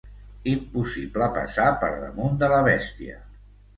Impossible passar per damunt de la bèstia.